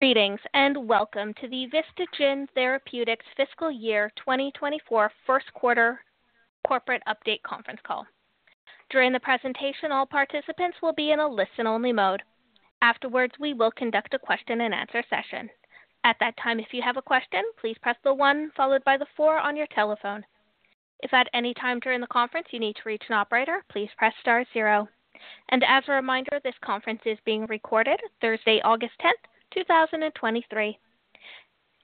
Greetings, and welcome to the Vistagen Therapeutics Fiscal Year 2024 Q1 Corporate Update conference call. During the presentation, all participants will be in a listen-only mode. Afterwards, we will conduct a question-and-answer session. At that time, if you have a question, please press the 1 followed by the 4 on your telephone. If at any time during the conference you need to reach an operator, please press star zero. As a reminder, this conference is being recorded Thursday, August 10, 2023.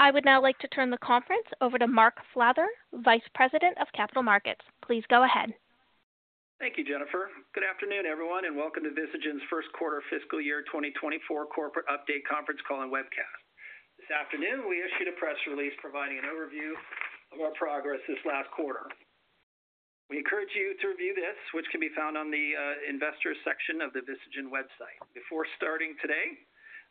I would now like to turn the conference over to Mark Flather, Vice President of Capital Markets. Please go ahead. Thank you, Jennifer. Good afternoon, everyone, and welcome to Vistagen's Q1 fiscal year 2024 corporate update conference call and webcast. This afternoon, we issued a press release providing an overview of our progress this last quarter. We encourage you to review this, which can be found on the investors section of the Vistagen website. Before starting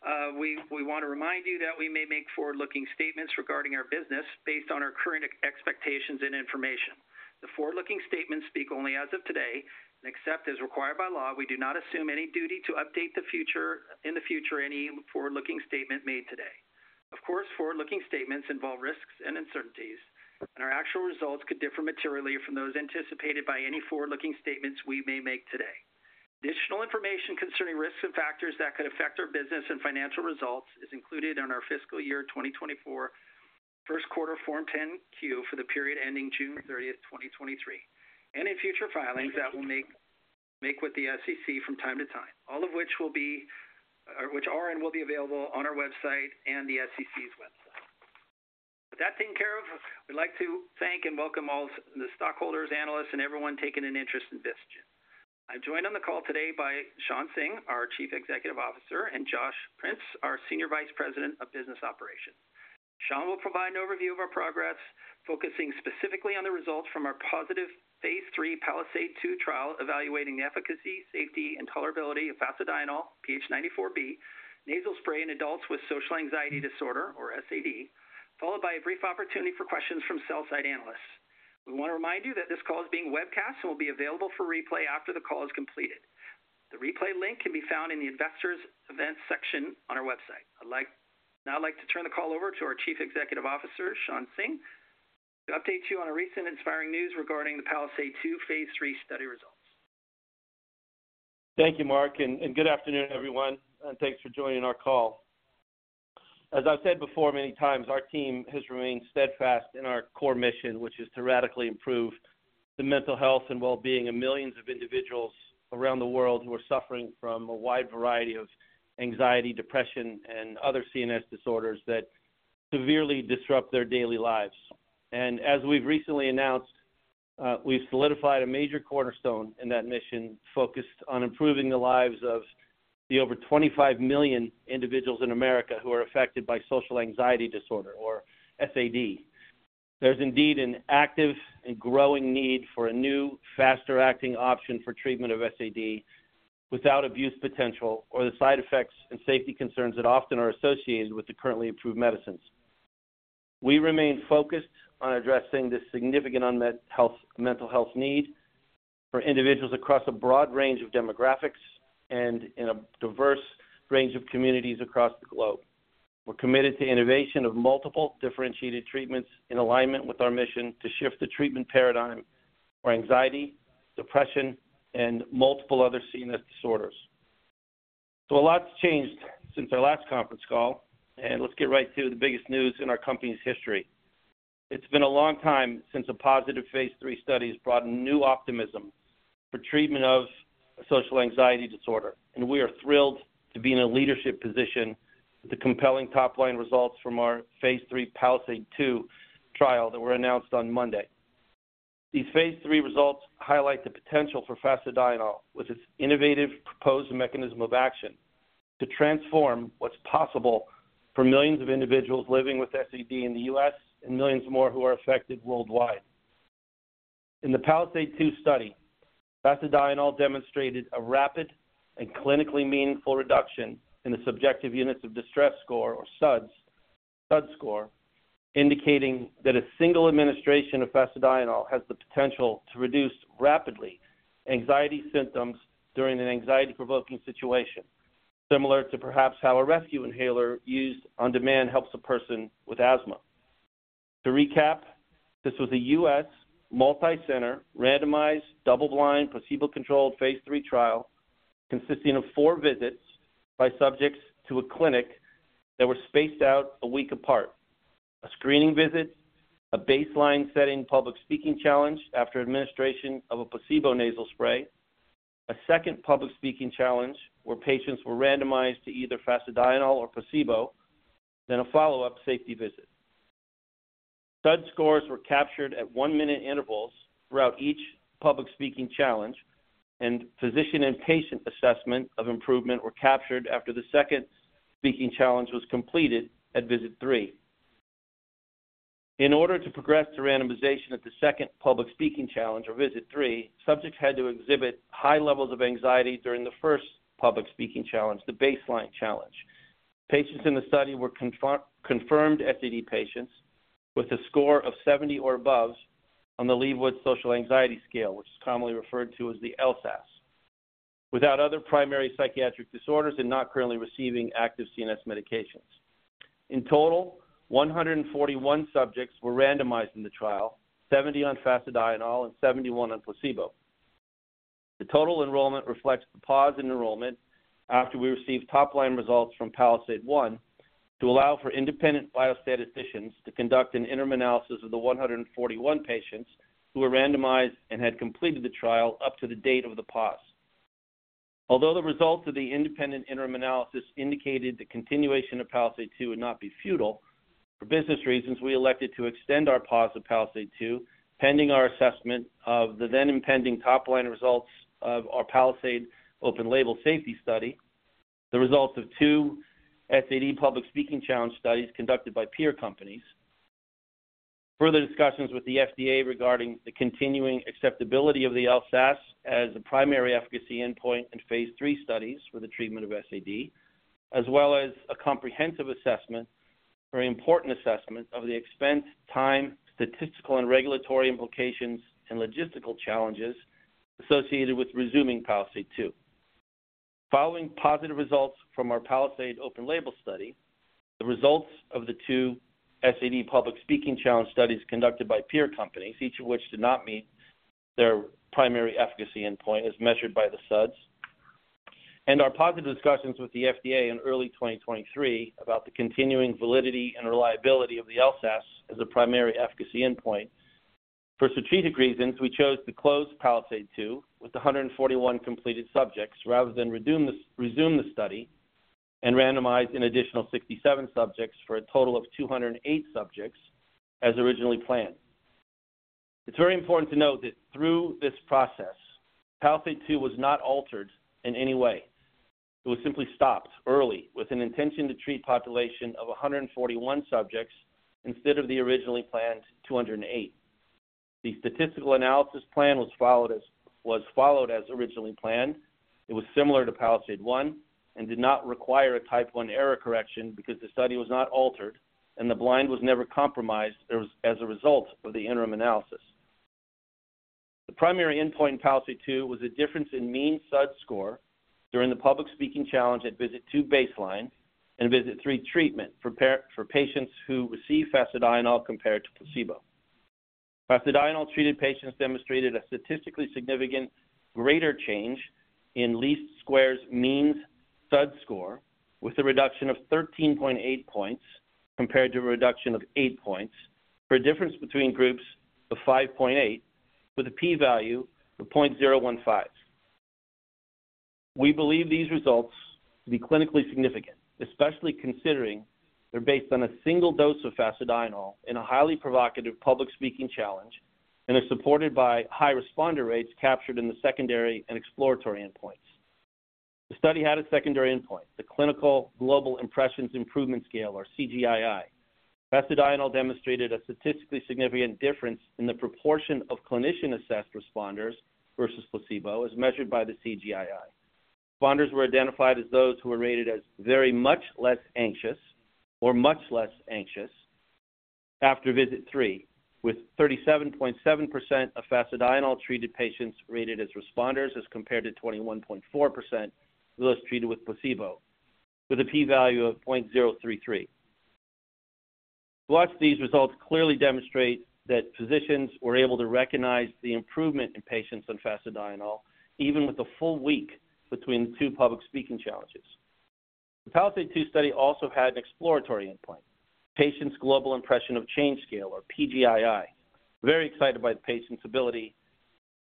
today, we want to remind you that we may make forward-looking statements regarding our business based on our current expectations and information. The forward-looking statements speak only as of today and except as required by law, we do not assume any duty to update in the future any forward-looking statement made today. Of course, forward-looking statements involve risks and uncertainties, and our actual results could differ materially from those anticipated by any forward-looking statements we may make today. Additional information concerning risks and factors that could affect our business and financial results is included in our fiscal year 2024 Q1 Form 10-Q for the period ending 30 June 2023, and in future filings that we make with the SEC from time to time. All of which are and will be available on our website and the SEC's website. With that taken care of, we'd like to thank and welcome all the stockholders, analysts, and everyone taking an interest in Vistagen. I'm joined on the call today by Shawn Singh, our Chief Executive Officer, and Josh Prince, our Senior Vice President of Business Operations. Shawn will provide an overview of our progress, focusing specifically on the results from our positive Phase 3 PALISADE-2 trial, evaluating the efficacy, safety, and tolerability of Fasedienol, PH94B, nasal spray in adults with social anxiety disorder, or SAD, followed by a brief opportunity for questions from sell-side analysts. We want to remind you that this call is being webcast and will be available for replay after the call is completed. The replay link can be found in the Investors Events section on our website. Now I'd like to turn the call over to our Chief Executive Officer, Shawn Singh, to update you on our recent inspiring news regarding the PALISADE-2 Phase 3 study results. Thank you, Mark, good afternoon, everyone, thanks for joining our call. As I've said before many times, our team has remained steadfast in our core mission, which is to radically improve the mental health and well-being of millions of individuals around the world who are suffering from a wide variety of anxiety, depression, and other CNS disorders that severely disrupt their daily lives. As we've recently announced, we've solidified a major cornerstone in that mission, focused on improving the lives of the over 25 million individuals in America who are affected by social anxiety disorder or SAD. There's indeed an active and growing need for a new, faster-acting option for treatment of SAD without abuse potential or the side effects and safety concerns that often are associated with the currently approved medicines. We remain focused on addressing this significant unmet mental health need for individuals across a broad range of demographics and in a diverse range of communities across the globe. We're committed to innovation of multiple differentiated treatments in alignment with our mission to shift the treatment paradigm for anxiety, depression, and multiple other CNS disorders. A lot's changed since our last conference call, and let's get right to the biggest news in our company's history. It's been a long time since a positive Phase 3 study has brought new optimism for treatment of social anxiety disorder, and we are thrilled to be in a leadership position with the compelling top-line results from our Phase 3 PALISADE-2 trial that were announced on Monday. These Phase 3 results highlight the potential for Fasedienol, with its innovative proposed mechanism of action, to transform what's possible for millions of individuals living with SAD in the U.S. and millions more who are affected worldwide. In the PALISADE-2 study, Fasedienol demonstrated a rapid and clinically meaningful reduction in the Subjective Units of Distress Score or SUDS, SUDS score, indicating that a single administration of Fasedienol has the potential to reduce rapidly anxiety symptoms during an anxiety-provoking situation, similar to perhaps how a rescue inhaler used on demand helps a person with asthma. To recap, this was a U.S. multi-center, randomized, double-blind, placebo-controlled Phase 3 trial consisting of four visits by subjects to a clinic that were spaced out a week apart. A screening visit, a baseline setting public speaking challenge after administration of a placebo nasal spray, a second public speaking challenge where patients were randomized to either Fasedienol or placebo, then a follow-up safety visit. SUDS scores were captured at one-minute intervals throughout each public speaking challenge, and physician and patient assessment of improvement were captured after the second speaking challenge was completed at visit three. In order to progress to randomization at the second public speaking challenge or visit three, subjects had to exhibit high levels of anxiety during the first public speaking challenge, the baseline challenge. Patients in the study were confirmed SAD patients with a score of 70 or above on the Liebowitz Social Anxiety Scale, which is commonly referred to as the LSAS. without other primary psychiatric disorders and not currently receiving active CNS medications. In total, 141 subjects were randomized in the trial, 70 on Fasedienol and 71 on placebo. The total enrollment reflects the pause in enrollment after we received top-line results from PALISADE-1 to allow for independent biostatisticians to conduct an interim analysis of the 141 patients who were randomized and had completed the trial up to the date of the pause. Although the results of the independent interim analysis indicated the continuation of PALISADE-2 would not be futile, for business reasons, we elected to extend our pause of PALISADE-2, pending our assessment of the then impending top-line results of our PALISADE open-label safety study, the results of two SAD public speaking challenge studies conducted by peer companies. Further discussions with the FDA regarding the continuing acceptability of the LSAS as a primary efficacy endpoint in Phase 3 studies for the treatment of SAD, as well as a comprehensive assessment, very important assessment of the expense, time, statistical, and regulatory implications and logistical challenges associated with resuming PALISADE-2. Following positive results from our PALISADE open-label study, the results of the two SAD public speaking challenge studies conducted by peer companies, each of which did not meet their primary efficacy endpoint, as measured by the SUDS. Our positive discussions with the FDA in early 2023 about the continuing validity and reliability of the LSAS as a primary efficacy endpoint. For strategic reasons, we chose to close PALISADE-2 with 141 completed subjects rather than resume the study and randomized an additional 67 subjects for a total of 208 subjects as originally planned. It's very important to note that through this process, PALISADE-2 was not altered in any way. It was simply stopped early with an intention to treat population of 141 subjects instead of the originally planned 208. The statistical analysis plan was followed as originally planned. It was similar to PALISADE-1 and did not require a Type I error correction because the study was not altered and the blind was never compromised as a result of the interim analysis. The primary endpoint in PALISADE-2 was a difference in mean SUDS score during the public speaking challenge at visit two baseline and visit three treatment for patients who received Fasedienol compared to placebo. Fasedienol-treated patients demonstrated a statistically significant greater change in least squares means SUDS score, with a reduction of 13.8 points compared to a reduction of eight points, for a difference between groups of 5.8, with a p-value of 0.015. We believe these results to be clinically significant, especially considering they're based on a single dose of Fasedienol in a highly provocative public speaking challenge and are supported by high responder rates captured in the secondary and exploratory endpoints. The study had a secondary endpoint, the Clinical Global Impressions Improvement Scale, or CGI-I. Fasedienol demonstrated a statistically significant difference in the proportion of clinician-assessed responders versus placebo, as measured by the CGI-I. Responders were identified as those who were rated as very much less anxious or much less anxious after visit three, with 37.7% of Fasedienol-treated patients rated as responders, as compared to 21.4% of those treated with placebo, with a p-value of 0.033. To us, these results clearly demonstrate that physicians were able to recognize the improvement in patients on Fasedienol, even with a full week between the two public speaking challenges. The PALISADE-2 study also had an exploratory endpoint, Patients' Global Impression of Change scale, or PGI-I. Very excited by the patient's ability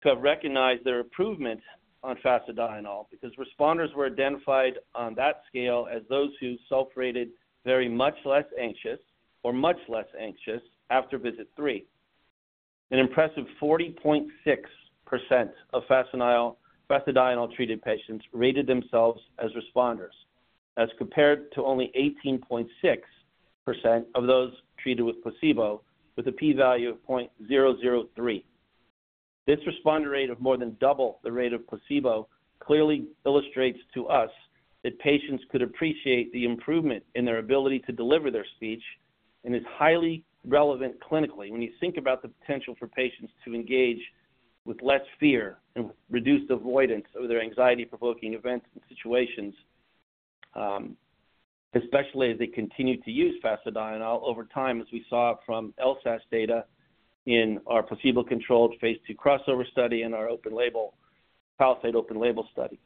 to have recognized their improvement on Fasedienol because responders were identified on that scale as those who self-rated very much less anxious or much less anxious after visit three. An impressive 40.6% of Fasedienol-treated patients rated themselves as responders, as compared to only 18.6% of those treated with placebo, with a p-value of 0.003. This responder rate of more than double the rate of placebo clearly illustrates to us that patients could appreciate the improvement in their ability to deliver their speech and is highly relevant clinically. When you think about the potential for patients to engage with less fear and reduce the avoidance of their anxiety-provoking events and situations, especially as they continue to use Fasedienol over time, as we saw from LSAS data in our placebo-controlled Phase 2 crossover study and our open-label PALISADE open-label study.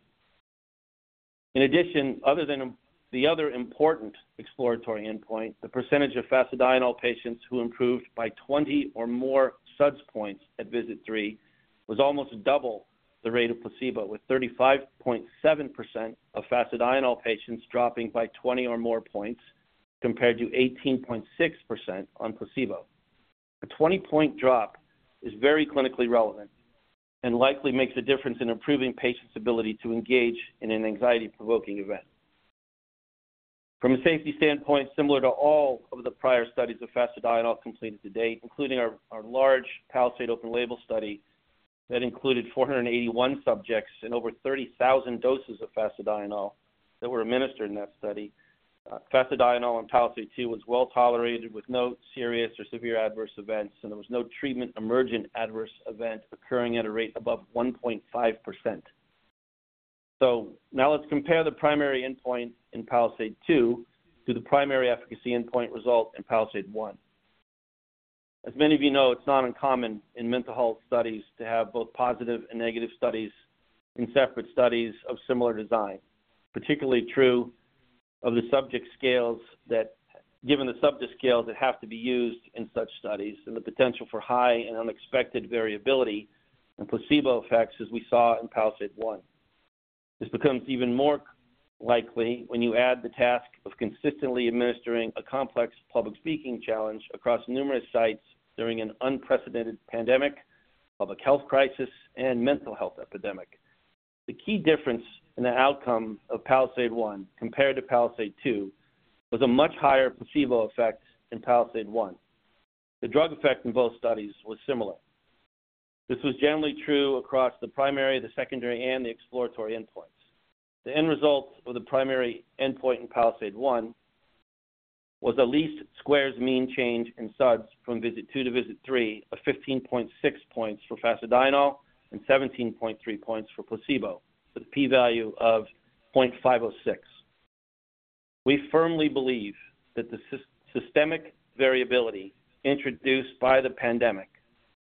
In addition, other than the other important exploratory endpoint, the percentage of Fasedienol patients who improved by 20 or more SUDS points at visit three was almost double the rate of placebo, with 35.7% of Fasedienol patients dropping by 20 or more points, compared to 18.6% on placebo. A 20-point drop is very clinically relevant and likely makes a difference in improving patients' ability to engage in an anxiety-provoking event. From a safety standpoint, similar to all of the prior studies of Fasedienol completed to date, including our large PALISADE open label study that included 481 subjects and over 30,000 doses of Fasedienol that were administered in that study. Fasedienol in PALISADE-2 was well-tolerated with no serious or severe adverse events, and there was no treatment-emergent adverse event occurring at a rate above 1.5%. Now let's compare the primary endpoint in PALISADE-2 to the primary efficacy endpoint result in PALISADE-1. As many of you know, it's not uncommon in mental health studies to have both positive and negative studies in separate studies of similar design, particularly true of the subject scales that, given the subject scales that have to be used in such studies and the potential for high and unexpected variability and placebo effects, as we saw in PALISADE-1. This becomes even more likely when you add the task of consistently administering a complex public speaking challenge across numerous sites during an unprecedented pandemic, public health crisis, and mental health epidemic. The key difference in the outcome of PALISADE-1 compared to PALISADE-2 was a much higher placebo effect in PALISADE-1. The drug effect in both studies was similar. This was generally true across the primary, the secondary, and the exploratory endpoints. The end result of the primary endpoint in PALISADE-1 was a least squares mean change in SUDS from visit two to visit three of 15.6 points for Fasedienol and 17.3 points for placebo, with a p-value of 0.506. We firmly believe that the systemic variability introduced by the pandemic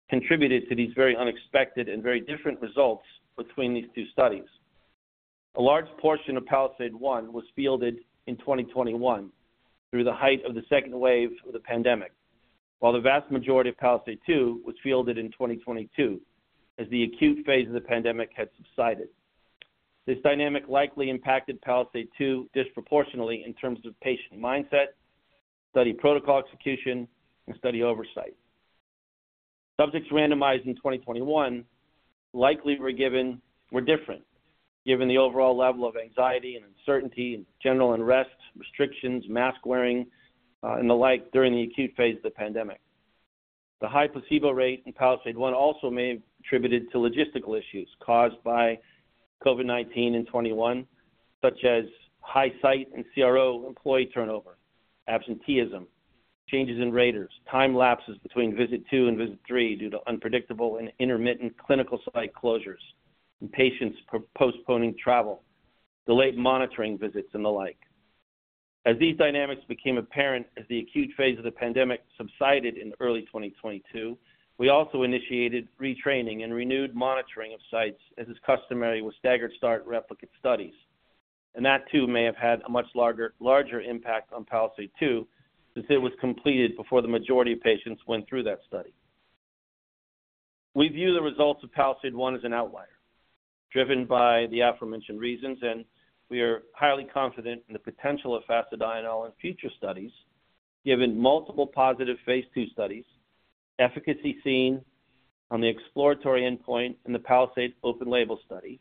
contributed to these very unexpected and very different results between these two studies. A large portion of PALISADE-1 was fielded in 2021 through the height of the second wave of the pandemic, while the vast majority of PALISADE-2 was fielded in 2022, as the acute phase of the pandemic had subsided. This dynamic likely impacted PALISADE-2 disproportionately in terms of patient mindset, study protocol execution, and study oversight. Subjects randomized in 2021 likely were different, given the overall level of anxiety and uncertainty and general unrest, restrictions, mask-wearing, and the like during the acute phase of the pandemic. The high placebo rate in PALISADE-1 also may have contributed to logistical issues caused by COVID-19 in 2021, such as high site and CRO employee turnover, absenteeism, changes in raters, time lapses between visit two and visit three due to unpredictable and intermittent clinical site closures, and patients postponing travel, delayed monitoring visits, and the like. As these dynamics became apparent as the acute phase of the pandemic subsided in early 2022, we also initiated retraining and renewed monitoring of sites, as is customary with staggered start replicate studies. That too may have had a much larger impact on PALISADE-2, since it was completed before the majority of patients went through that study. We view the results of PALISADE-1 as an outlier, driven by the aforementioned reasons, and we are highly confident in the potential of Fasedienol in future studies, given multiple positive Phase 2 studies, efficacy seen on the exploratory endpoint in the PALISADE open label study,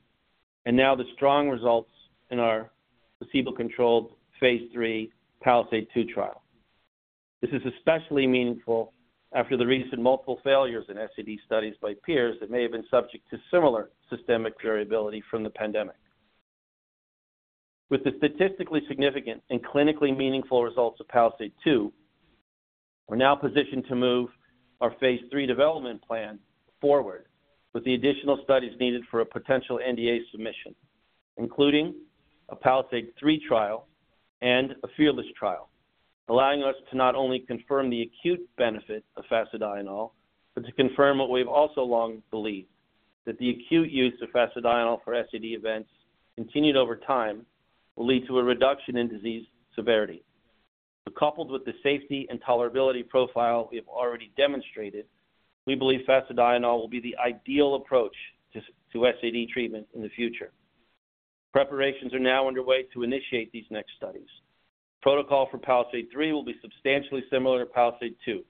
and now the strong results in our placebo-controlled Phase 3 PALISADE-2 trial. This is especially meaningful after the recent multiple failures in SAD studies by peers that may have been subject to similar systemic variability from the pandemic. With the statistically significant and clinically meaningful results of PALISADE-2, we're now positioned to move our Phase 3 development plan forward with the additional studies needed for a potential NDA submission, including a PALISADE-3 trial and a FEARLESS trial, allowing us to not only confirm the acute benefit of Fasedienol, but to confirm what we've also long believed, that the acute use of Fasedienol for SAD events continued over time, will lead to a reduction in disease severity. Coupled with the safety and tolerability profile we have already demonstrated, we believe Fasedienol will be the ideal approach to SAD treatment in the future. Preparations are now underway to initiate these next studies. Protocol for PALISADE-3 will be substantially similar to PALISADE-2,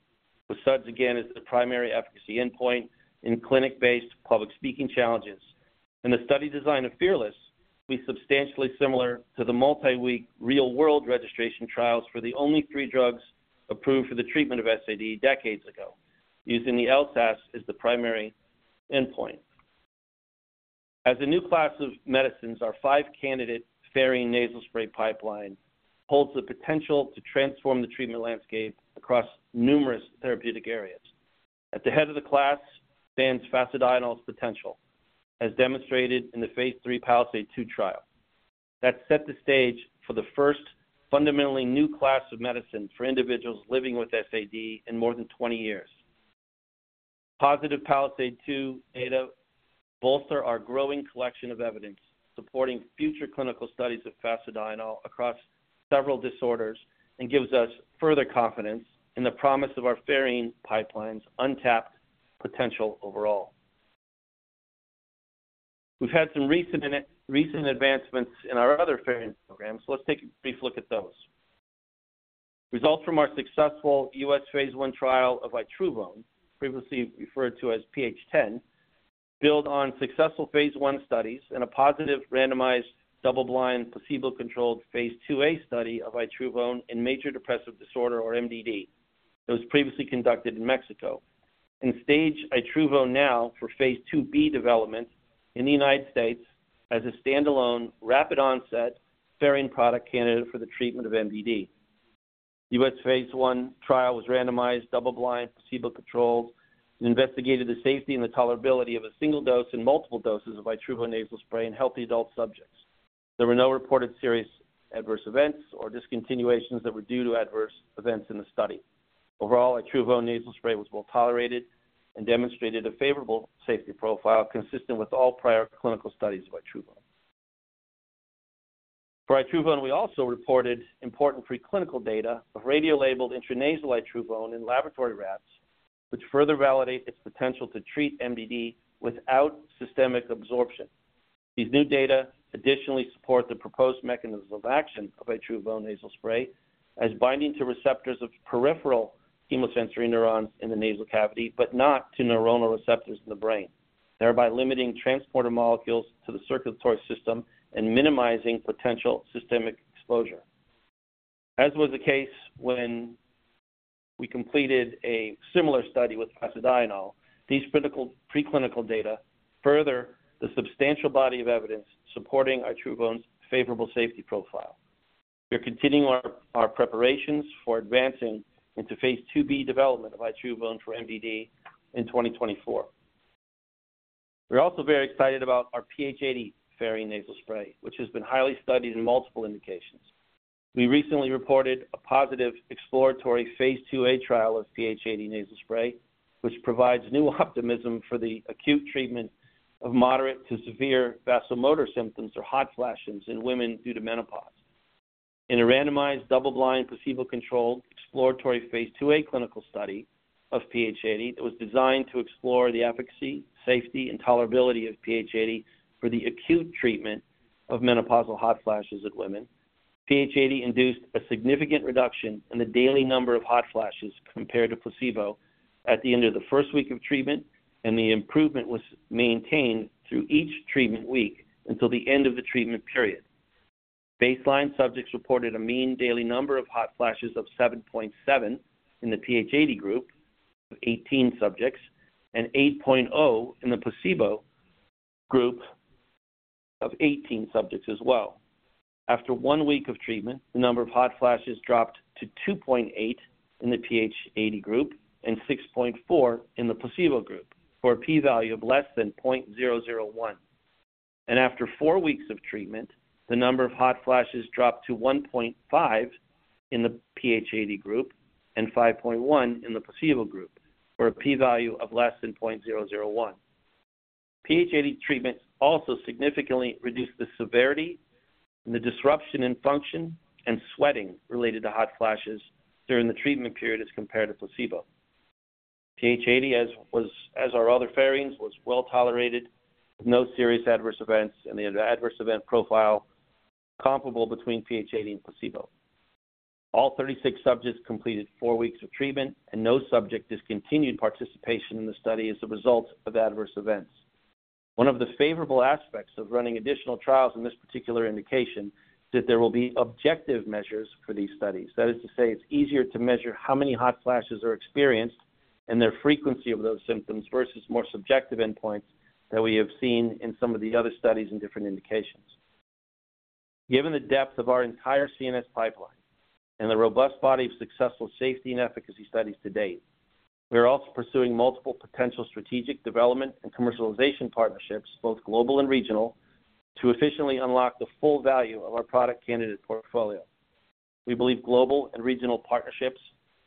with SUDS again as the primary efficacy endpoint in clinic-based public speaking challenges. The study design of FEARLESS will be substantially similar to the multi-week real-world registration trials for the only three drugs approved for the treatment of SAD decades ago, using the LSAS as the primary endpoint. As a new class of medicines, our five-candidate pherine nasal spray pipeline holds the potential to transform the treatment landscape across numerous therapeutic areas. At the head of the class stands Fasedienol's potential, as demonstrated in the Phase 3 PALISADE-2 trial. That set the stage for the first fundamentally new class of medicine for individuals living with SAD in more than 20 years. Positive PALISADE-2 data bolster our growing collection of evidence, supporting future clinical studies of Fasedienol across several disorders and gives us further confidence in the promise of our pherine pipeline's untapped potential overall. We've had some recent advancements in our other pherine programs. Let's take a brief look at those. Results from our successful U.S. Phase 1 trial of Itruvone, previously referred to as PH10, build on successful Phase 1 studies and a positive randomized, double-blind, placebo-controlled Phase 2A study of Itruvone in major depressive disorder or MDD that was previously conducted in Mexico. Stage Itruvone now for Phase 2B development in the United States as a standalone, rapid onset, pherine product candidate for the treatment of MDD. U.S. Phase 1 trial was randomized, double-blind, placebo-controlled, and investigated the safety and the tolerability of a single dose and multiple doses of Itruvone nasal spray in healthy adult subjects. There were no reported serious adverse events or discontinuations that were due to adverse events in the study. Overall, Itruvone nasal spray was well tolerated and demonstrated a favorable safety profile, consistent with all prior clinical studies of Itruvone. For Itruvone, we also reported important preclinical data of radiolabeled intranasal Itruvone in laboratory rats, which further validate its potential to treat MDD without systemic absorption. These new data additionally support the proposed mechanism of action of Itruvone nasal spray as binding to receptors of peripheral chemosensory neurons in the nasal cavity, but not to neuronal receptors in the brain, thereby limiting transporter molecules to the circulatory system and minimizing potential systemic exposure. As was the case when we completed a similar study with flibanserin, these preclinical data further the substantial body of evidence supporting Itruvone's favorable safety profile. We're continuing our preparations for advancing into Phase 2B development of Itruvone for MDD in 2024. We're also very excited about our PH80 pherine nasal spray, which has been highly studied in multiple indications. We recently reported a positive exploratory Phase 2A trial of PH80 nasal spray, which provides new optimism for the acute treatment of moderate to severe vasomotor symptoms or hot flashes in women due to menopause. In a randomized, double-blind, placebo-controlled, exploratory Phase 2A clinical study of PH80, that was designed to explore the efficacy, safety, and tolerability of PH80 for the acute treatment of menopausal hot flashes at women. PH80 induced a significant reduction in the daily number of hot flashes compared to placebo at the end of the first week of treatment, and the improvement was maintained through each treatment week until the end of the treatment period. Baseline subjects reported a mean daily number of hot flashes of 7.7 in the PH80 group of 18 subjects, and 8.0 in the placebo group of 18 subjects as well. After one week of treatment, the number of hot flashes dropped to 2.8 in the PH80 group and 6.4 in the placebo group, for a p-value of less than 0.001. After four weeks of treatment, the number of hot flashes dropped to 1.5 in the PH80 group and 5.1 in the placebo group, for a p-value of less than 0.001. PH80 treatment also significantly reduced the severity and the disruption in function and sweating related to hot flashes during the treatment period, as compared to placebo. PH80, as our other pherines, was well tolerated, with no serious adverse events, and the adverse event profile comparable between PH80 and placebo. All 36 subjects completed four weeks of treatment, and no subject discontinued participation in the study as a result of adverse events. One of the favorable aspects of running additional trials in this particular indication, is that there will be objective measures for these studies. That is to say, it's easier to measure how many hot flashes are experienced and their frequency of those symptoms versus more subjective endpoints that we have seen in some of the other studies in different indications. Given the depth of our entire CNS pipeline and the robust body of successful safety and efficacy studies to date, we are also pursuing multiple potential strategic development and commercialization partnerships, both global and regional, to efficiently unlock the full value of our product candidate portfolio. We believe global and regional partnerships,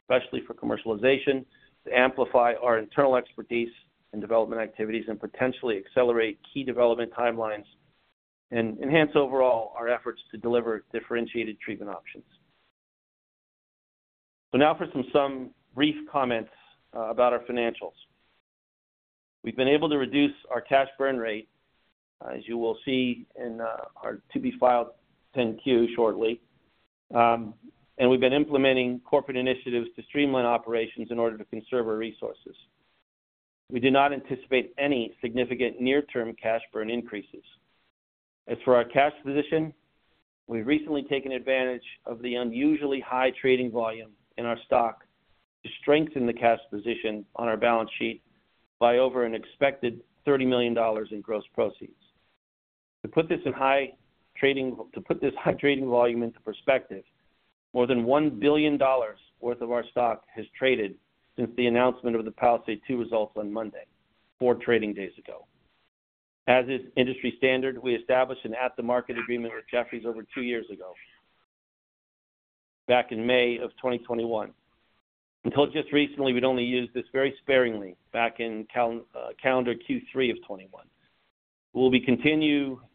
especially for commercialization, to amplify our internal expertise and development activities and potentially accelerate key development timelines and enhance overall our efforts to deliver differentiated treatment options. Now for some brief comments about our financials. We've been able to reduce our cash burn rate, as you will see in our to-be-filed 10-Q shortly. We've been implementing corporate initiatives to streamline operations in order to conserve our resources. We do not anticipate any significant near-term cash burn increases. As for our cash position, we've recently taken advantage of the unusually high trading volume in our stock to strengthen the cash position on our balance sheet by over an expected $30 million in gross proceeds. To put this high trading volume into perspective, more than $1 billion worth of our stock has traded since the announcement of the PALISADE-2 results on Monday, four trading days ago. As is industry standard, we established an at-the-market agreement with Jefferies over two years ago, back in May of 2021. Until just recently, we'd only used this very sparingly back in calendar Q3 of 2021. We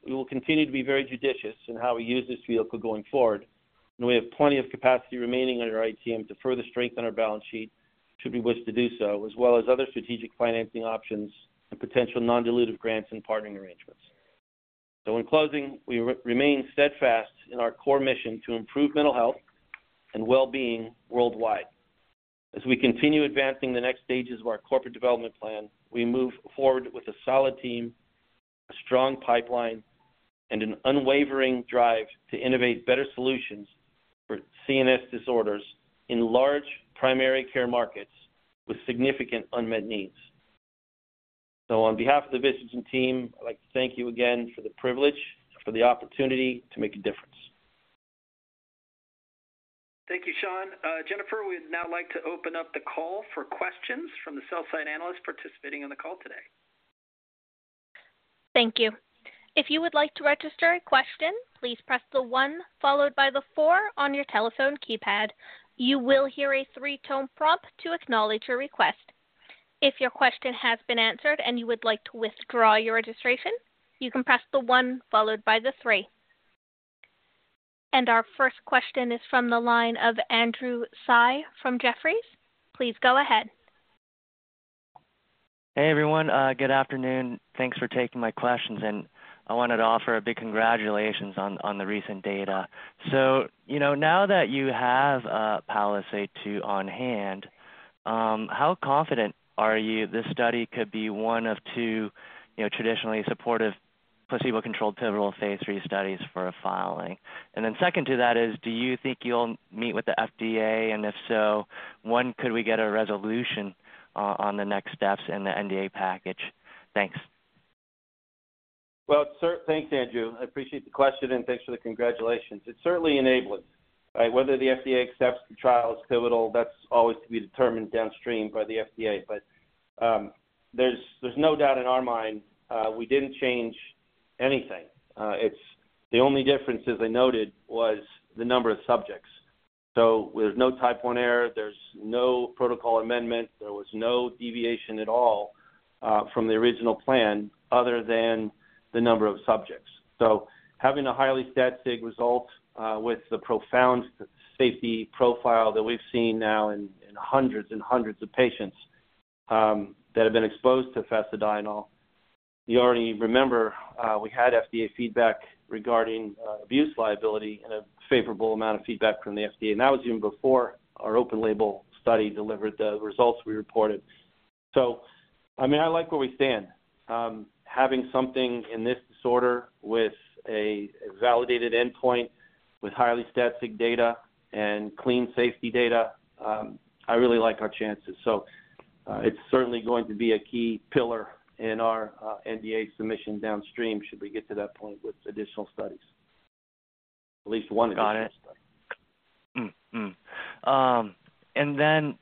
will continue to be very judicious in how we use this vehicle going forward, and we have plenty of capacity remaining under our ATM to further strengthen our balance sheet should we wish to do so, as well as other strategic financing options and potential non-dilutive grants and partnering arrangements. In closing, we remain steadfast in our core mission to improve mental health and well-being worldwide. As we continue advancing the next stages of our corporate development plan, we move forward with a solid team, strong pipeline, and an unwavering drive to innovate better solutions for CNS disorders in large primary care markets with significant unmet needs. On behalf of the Vistagen team, I'd like to thank you again for the privilege, for the opportunity to make a difference. Thank you, Shawn. Jennifer, we'd now like to open up the call for questions from the sell-side analysts participating on the call today. Thank you. If you would like to register a question, please press the one followed by the four on your telephone keypad. You will hear a three-tone prompt to acknowledge your request. If your question has been answered and you would like to withdraw your registration, you can press the one followed by the three. Our first question is from the line of Andrew Tsai from Jefferies. Please go ahead. Hey, everyone. Good afternoon. Thanks for taking my questions, I wanted to offer a big congratulations on the recent data. Now that you have PALISADE-2 on hand, how confident are you this study could be one of two traditionally supportive, placebo-controlled, pivotal Phase 3 studies for a filing? Then second to that is, do you think you'll meet with the FDA? If so, when could we get a resolution on the next steps in the NDA package? Thanks. Well, thanks, Andrew. I appreciate the question, and thanks for the congratulations. It's certainly enabling. Whether the FDA accepts the trial as pivotal, that's always to be determined downstream by the FDA. There's no doubt in our mind, we didn't change anything. It's the only difference, as I noted, was the number of subjects. There's no Type I error, there's no protocol amendment, there was no deviation at all from the original plan other than the number of subjects. Having a highly stat sig result with the profound safety profile that we've seen now in hundreds and hundreds of patients that have been exposed to Fasedienol, you already remember, we had FDA feedback regarding abuse liability and a favorable amount of feedback from the FDA, and that was even before our open label study delivered the results we reported. I like where we stand. Having something in this disorder with a validated endpoint, with highly stat sig data and clean safety data, I really like our chances. It's certainly going to be a key pillar in our NDA submission downstream, should we get to that point with additional studies. At least one additional study. Got it. Then,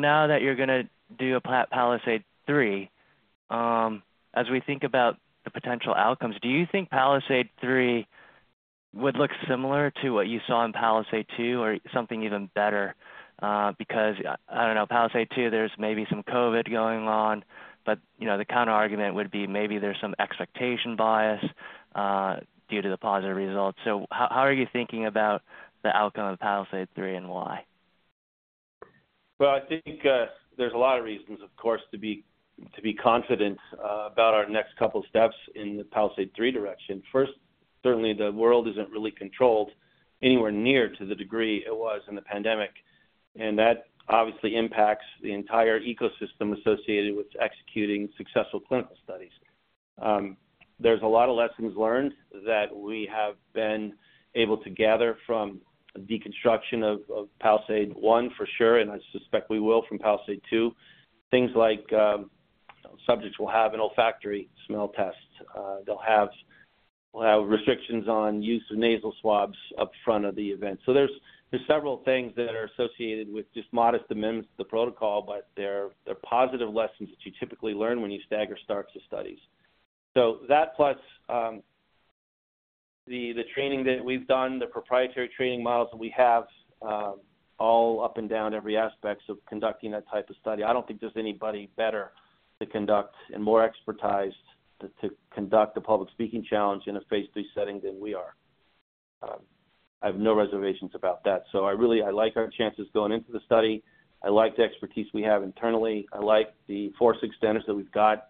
now that you're going to do a PALISADE-3, as we think about the potential outcomes, do you think PALISADE-3 would look similar to what you saw in PALISADE-2 or something even better? Because, I don't know, PALISADE-2, there's maybe some COVID going on, but the counterargument would be maybe there's some expectation bias, due to the positive results. How are you thinking about the outcome of PALISADE-3 and why? Well, I think there's a lot of reasons, of course, to be confident about our next couple of steps in the PALISADE-3 direction. First, certainly, the world isn't really controlled anywhere near to the degree it was in the pandemic, and that obviously impacts the entire ecosystem associated with executing successful clinical studies. There's a lot of lessons learned that we have been able to gather from a deconstruction of PALISADE-1, for sure, and I suspect we will from PALISADE-2. Things like subjects will have an olfactory smell test. We'll have restrictions on use of nasal swabs up front of the event. There's several things that are associated with just modest amendments to the protocol, but they're positive lessons that you typically learn when you stagger starts of studies. That plus the training that we've done, the proprietary training models that we have, all up and down every aspects of conducting that type of study, I don't think there's anybody better to conduct and more expertised to conduct a public speaking challenge in a Phase 3 setting than we are. I have no reservations about that. I like our chances going into the study. I like the expertise we have internally. I like the four sixth standards that we've got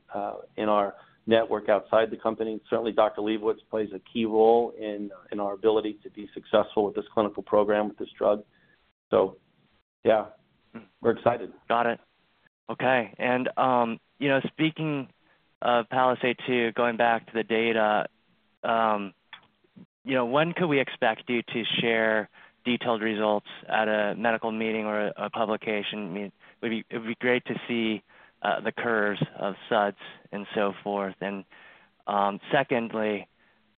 in our network outside the company. Certainly, Dr. Liebowitz plays a key role in our ability to be successful with this clinical program, with this drug. Yes, we're excited. Got it. Okay. Speaking of PALISADE-2, going back to the data, when could we expect you to share detailed results at a medical meeting or a publication? It would be great to see the curves of SUDS and so forth. Secondly,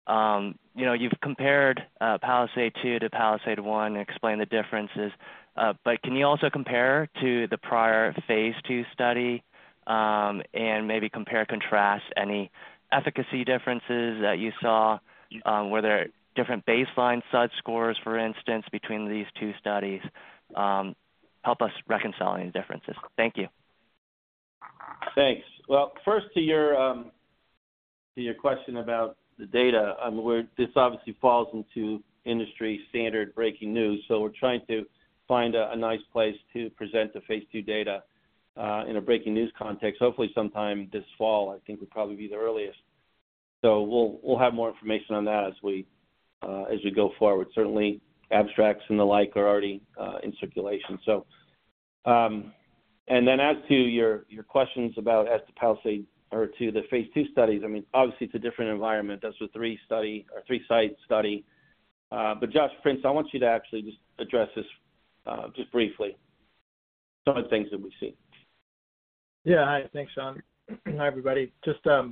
you've compared PALISADE-2 to PALISADE-1 and explained the differences, but can you also compare to the prior Phase 2 study and maybe compare and contrast any efficacy differences that you saw? Were there different baseline SUD scores, for instance, between these two studies? Help us reconcile any differences. Thank you. Thanks. Well, first to your question about the data we're this obviously falls into industry standard breaking news, we're trying to find a nice place to present the Phase 2 data, in a breaking news context. Hopefully, sometime this fall, I think, would probably be the earliest. We'll have more information on that as we go forward. Certainly, abstracts and the like are already, in circulation. Then as to your questions about as to PALISADE or to the Phase 2 studies, obviously, it's a different environment. That's a three study or three-site study. Josh Prince, I want you to actually just address this, just briefly, some of the things that we see. Yes. Hi. Thanks, Shawn. Hi, everybody. Just to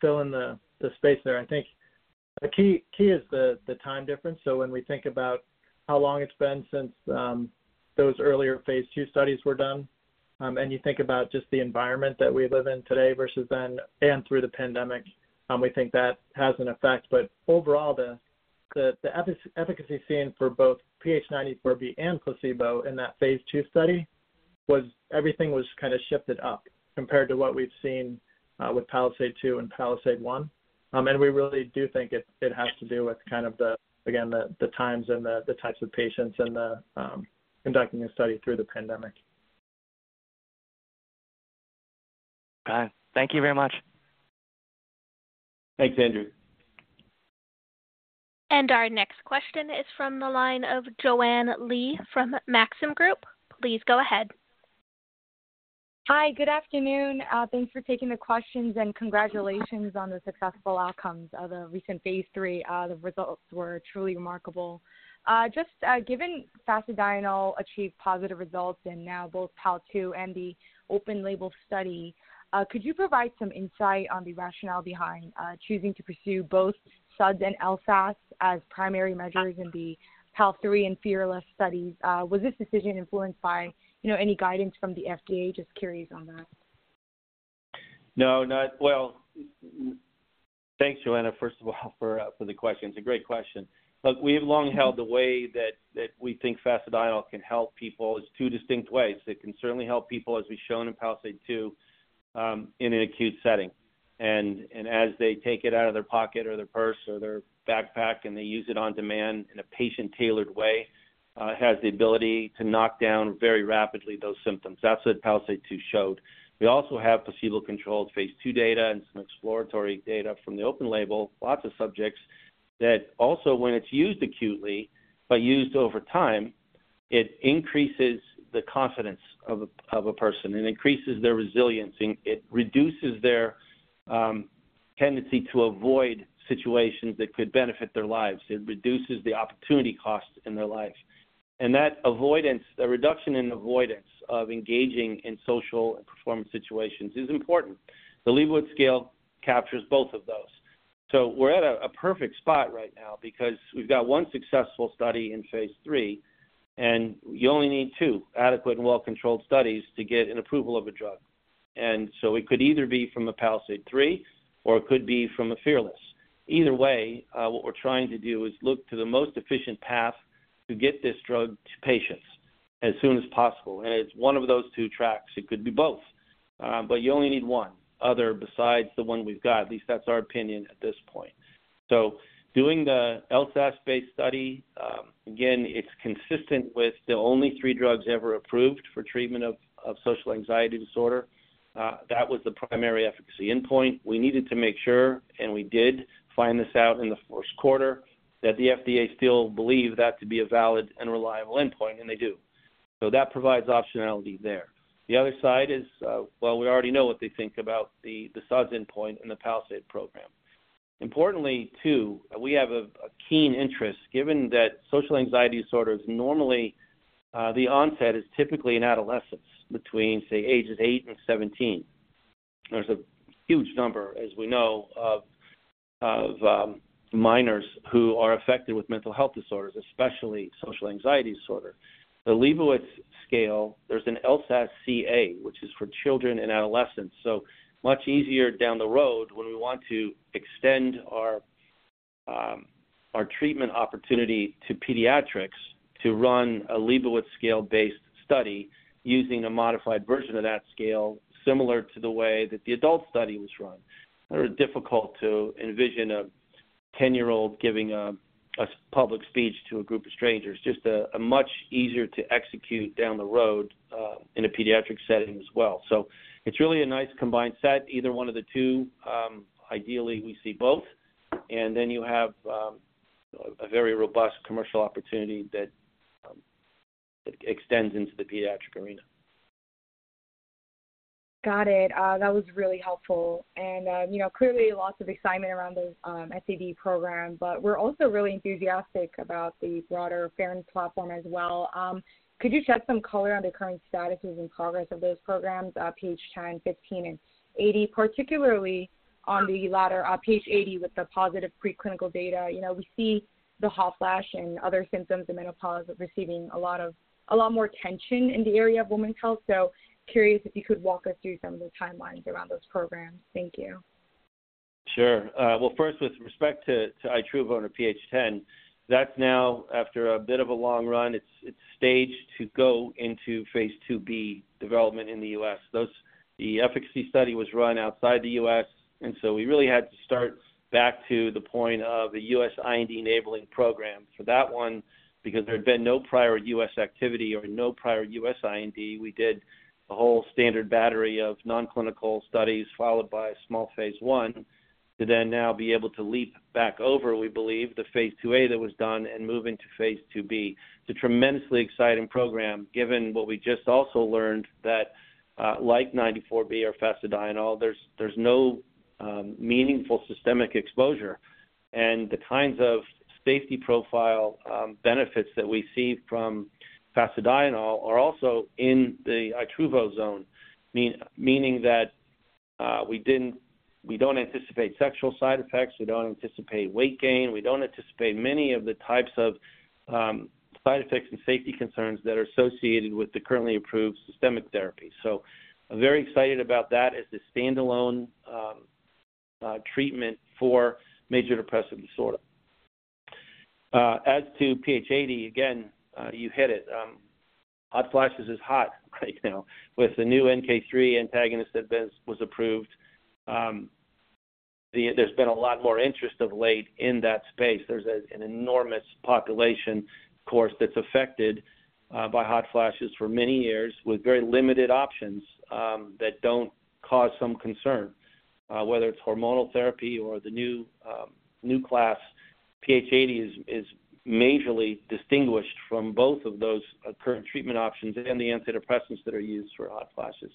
fill in the, space there, I think the key is the time difference. When we think about how long it's been since those earlier Phase 2 studies were done, and you think about just the environment that we live in today versus then and through the pandemic, we think that has an effect. Overall, the efficacy seen for both PH94B and placebo in that Phase 2 study was everything was shifted up compared to what we've seen with PALISADE-2 and PALISADE-1. We really do think it has to do with, again, the times and the types of patients and conducting a study through the pandemic. All right. Thank you very much. Thanks, Andrew. Our next question is from the line of Joanne Lee from Maxim Group. Please go ahead. Hi, good afternoon. Thanks for taking the questions, and congratulations on the successful outcomes of the recent Phase 3. The results were truly remarkable. Just, given Fasedienol achieved positive results in now both PAL2 and the open label study, could you provide some insight on the rationale behind choosing to pursue both SUDS and LSAS as primary measures in the PAL3 and FEARLESS studies? Was this decision influenced by any guidance from the FDA? Just curious on that. Well, thanks, Joanne, first of all, for the question. It's a great question. Look, we've long held the way that we think Fasedienol can help people is two distinct ways. It can certainly help people, as we've shown in PALISADE-2, in an acute setting. As they take it out of their pocket or their purse or their backpack, and they use it on demand in a patient-tailored way, it has the ability to knock down very rapidly those symptoms. That's what PALISADE-2 showed. We also have placebo-controlled Phase 2 data and some exploratory data from the open label, lots of subjects, that also when it's used acutely, but used over time, it increases the confidence of a person. It increases their resilience, and it reduces their tendency to avoid situations that could benefit their lives. It reduces the opportunity costs in their lives. The reduction in avoidance of engaging in social and performance situations, is important. The Liebowitz scale captures both of those. We're at a perfect spot right now because we've got one successful study in Phase 3, and you only need two adequate and well-controlled studies to get an approval of a drug. It could either be from a PALISADE-3 or it could be from a FEARLESS. Either way, what we're trying to do is look to the most efficient path to get this drug to patients as soon as possible, onend it's one of those two tracks. It could be both, but you only need one other besides the one we've got. At least that's our opinion at this point. Doing the LSAS-based study, again, it's consistent with the only three drugs ever approved for treatment of social anxiety disorder. That was the primary efficacy endpoint. We needed to make sure, and we did find this out in the Q1, that the FDA still believed that to be a valid and reliable endpoint, and they do. That provides optionality there. The other side is, well, we already know what they think about the SUDS endpoint in the PALISADE program. Importantly too, we have a keen interest, given that social anxiety disorder is normally, the onset is typically in adolescence, between, say, ages eight and 17. There's a huge number, as we know, of minors who are affected with mental health disorders, especially social anxiety disorder. The Liebowitz scale, there's an LSAS-CA, which is for children and adolescents, so much easier down the road when we want to extend our treatment opportunity to pediatrics to run a Liebowitz scale-based study using a modified version of that scale, similar to the way that the adult study was run. Very difficult to envision a 10-year-old giving a public speech to a group of strangers. Just a much easier to execute down the road in a pediatric setting as well. It's really a nice combined set, either one of the two. Ideally, we see both, and then you have a very robust commercial opportunity that extends into the pediatric arena. Got it. That was really helpful. Clearly lots of excitement around the SAD program, but we're also really enthusiastic about the broader pherine platform as well. Could you shed some color on the current statuses and progress of those programs, PH10, PH15, and PH80, particularly on the latter, PH80, with the positive preclinical data? We see the hot flash and other symptoms of menopause receiving a lot more attention in the area of women's health. Curious if you could walk us through some of the timelines around those programs. Thank you. Sure. Well, first, with respect to Itruvone or PH10, that's now, after a bit of a long run, it's staged to go into Phase 2B development in the U.S. The efficacy study was run outside the U.S., we really had to start back to the point of a U.S. IND-enabling program. For that one, because there had been no prior U.S. activity or no prior U.S. IND, we did a whole standard battery of non-clinical studies followed by a small Phase 1 to then now be able to leap back over, we believe, the Phase 2A that was done and move into Phase 2B. It's a tremendously exciting program, given what we just also learned, that 94B or Fasedienol, there's no meaningful systemic exposure. The kinds of safety profile benefits that we see from Fasedienol are also in the Itruvone zone. Meaning that we don't anticipate sexual side effects, we don't anticipate weight gain, we don't anticipate many of the types of side effects and safety concerns that are associated with the currently approved systemic therapy. I'm very excited about that as a standalone treatment for major depressive disorder. As to PH80, again, you hit it. Hot flashes is hot right now. With the new NK3 antagonist that was approved, there's been a lot more interest of late in that space. There's an enormous population, of course, that's affected by hot flashes for many years, with very limited options that don't cause some concern, whether it's hormonal therapy or the new class. PH80 is majorly distinguished from both of those, current treatment options and the antidepressants that are used for hot flashes.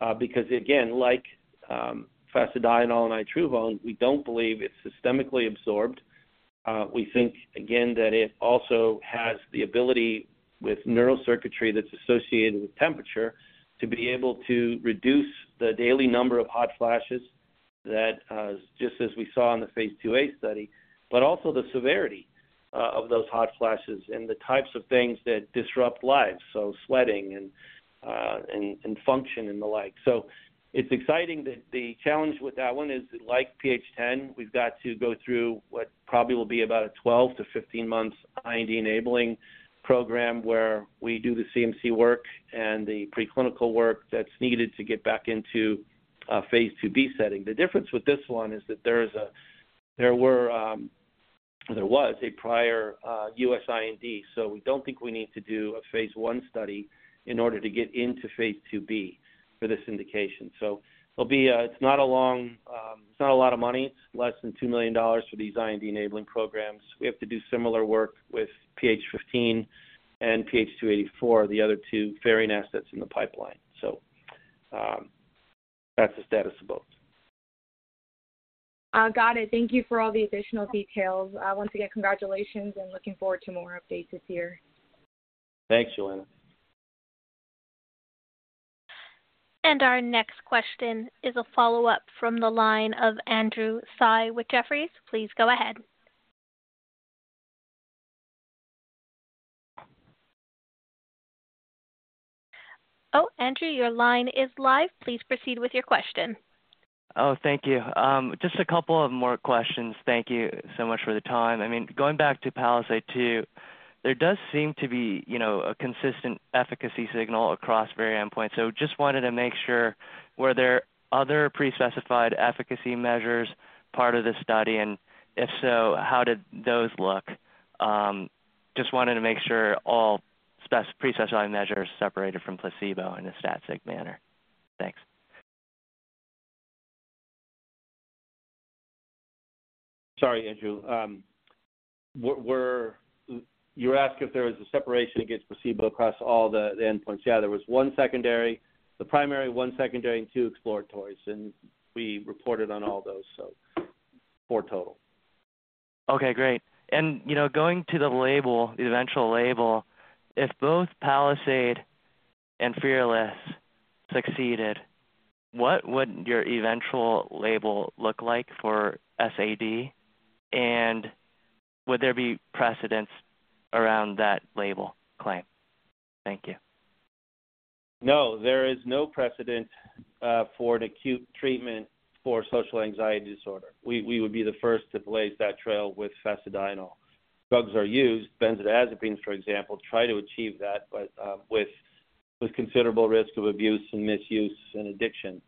Again, like Fasedienol and Itruvone, we don't believe it's systemically absorbed. We think, again, that it also has the ability, with neural circuitry that's associated with temperature, to be able to reduce the daily number of hot flashes that, just as we saw in the Phase 2A study, but also the severity of those hot flashes and the types of things that disrupt lives, so sweating and function and the like. It's exciting that the challenge with that one is, like PH10, we've got to go through what probably will be about a 12 to 15 months IND-enabling program, where we do the CMC work and the preclinical work that's needed to get back into a Phase 2B setting. The difference with this one is that there was a prior U.S. IND, we don't think we need to do a Phase 1 study in order to get into Phase 2B for this indication. It's not a lot of money. It's less than $2 million for these IND-enabling programs. We have to do similar work with PH15 and PH284, the other two pherine assets in the pipeline. That's the status of both. Got it. Thank you for all the additional details. Once again, congratulations, and looking forward to more updates this year. Thanks, Joanne. Our next question is a follow-up from the line of Andrew Tsai with Jefferies. Please go ahead. Andrew, your line is live. Please proceed with your question. Thank you. Just a couple of more questions. Thank you so much for the time. I mean, going back to PALISADE-2, there does seem to be a consistent efficacy signal across various endpoints. Just wanted to make sure, were there other pre-specified efficacy measures part of the study? If so, how did those look? Just wanted to make sure all pre-specified measures separated from placebo in a stat sig manner. Thanks. Sorry, Andrew. You asked if there was a separation against placebo across all the endpoints. There was the primary, one secondary, and two exploratories, and we reported on all those, so four total. Okay, great. Going to the eventual label, if both PALISADE and FEARLESS succeeded, what would your eventual label look like for SAD? Would there be precedents around that label claim? Thank you. No, there is no precedent for an acute treatment for social anxiety disorder. We would be the first to blaze that trail with Fasedienol. Drugs are used, benzodiazepines, for example, try to achieve that, but with considerable risk of abuse, misuse, and addiction.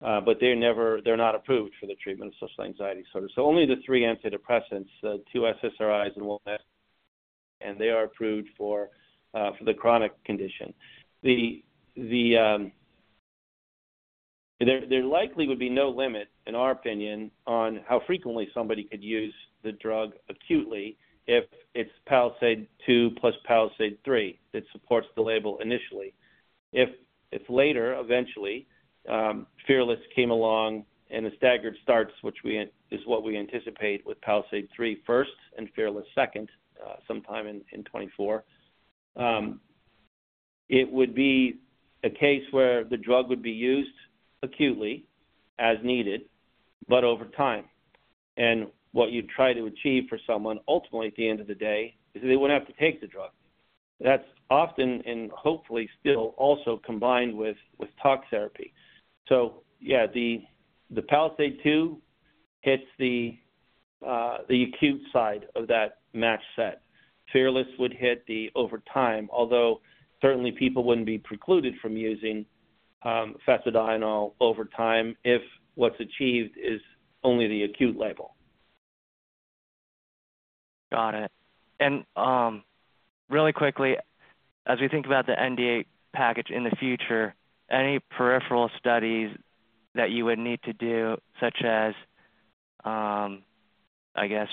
They're not approved for the treatment of social anxiety disorder. Only the three antidepressants, the two SSRIs and Wellbutrin, they are approved for the chronic condition. There likely would be no limit, in our opinion, on how frequently somebody could use the drug acutely if it's PALISADE-2 plus PALISADE-3 that supports the label initially. If later, eventually, FEARLESS came along and the staggered starts, is what we anticipate with PALISADE-3 first and FEARLESS second, sometime in 2024, it would be a case where the drug would be used acutely, as needed, but over time. What you try to achieve for someone ultimately at the end of the day, is they wouldn't have to take the drug. That's often and hopefully still also combined with talk therapy. The PALISADE-2 hits the acute side of that match set. FEARLESS would hit the over time, although certainly people wouldn't be precluded from using Fasedienol over time if what's achieved is only the acute label. Got it. Really quickly, as we think about the NDA package in the future, any peripheral studies that you would need to do, such as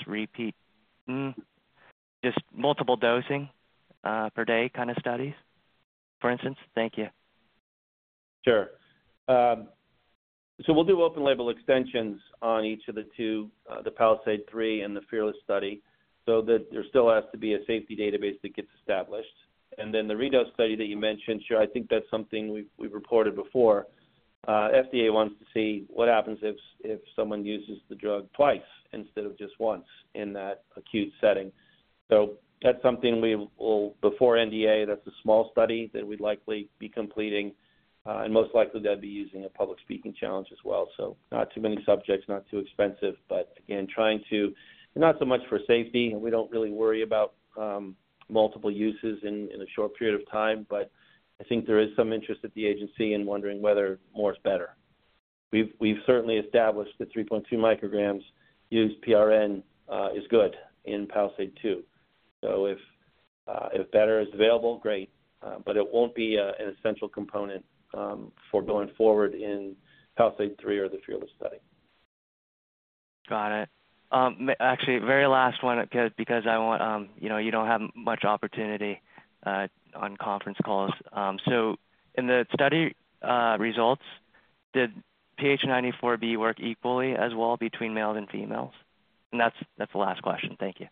repeat just multiple dosing, per day studies, for instance? Thank you. Sure. We'll do open label extensions on each of the two, the PALISADE-3 and the FEARLESS study, so that there still has to be a safety database that gets established. Then the redose study that you mentioned, sure, I think that's something we've reported before. FDA wants to see what happens if someone uses the drug twice instead of just once in that acute setting. That's something we will, before NDA, that's a small study that we'd likely be completing. Most likely, that'd be using a public speaking challenge as well. Not too many subjects, not too expensive, but again, trying to, not so much for safety, and we don't really worry about multiple uses in a short period of time, but I think there is some interest at the agency in wondering whether more is better. We've certainly established that 3.2 micrograms use PRN, is good in PALISADE-2. If better is available, great, but it won't be an essential component for going forward in PALISADE-3 or the FEARLESS study. Got it. Actually, very last one, because you don't have much opportunity on conference calls. In the study results, did PH94B work equally as well between males and females? That's the last question. Thank you.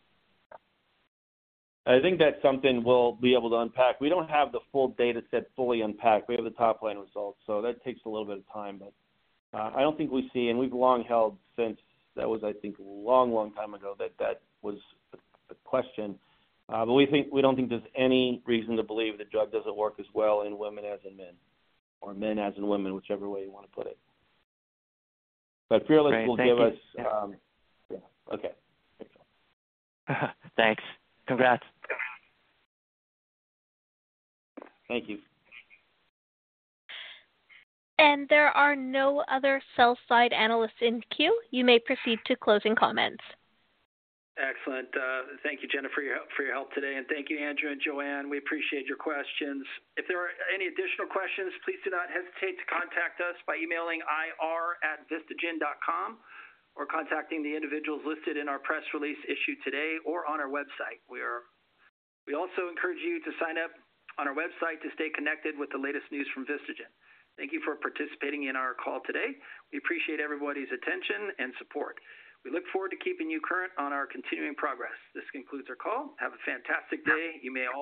I think that's something we'll be able to unpack. We don't have the full data set fully unpacked. We have the top-line results, so that takes a little bit of time. I don't think we see, and we've long held since. That was, I think, a long, long time ago, that was the question. We don't think there's any reason to believe the drug doesn't work as well in women as in men, or men as in women, whichever way you want to put it. FEARLESS will give us. Great. Thank you. Yes. Okay. Thanks. Congrats. Thank you. There are no other sell side analysts in queue. You may proceed to closing comments. Excellent. Thank you, Jennifer, for your help today, thank you, Andrew and Joanne. We appreciate your questions. If there are any additional questions, please do not hesitate to contact us by emailing ir@vistagen.com or contacting the individuals listed in our press release issued today or on our website. We also encourage you to sign up on our website to stay connected with the latest news from Vistagen. Thank you for participating in our call today. We appreciate everybody's attention and support. We look forward to keeping you current on our continuing progress. This concludes our call. Have a fantastic day. You may all hang up.